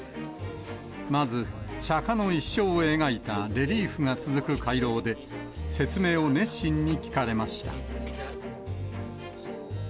まず、釈迦の一生を描いたレリーフが続く回廊で、説明を熱心に聞かれました。